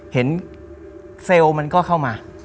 เซลล์มันก็เข้ามา